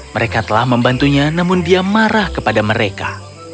mereka telah membantunya namun dia marah kepada mereka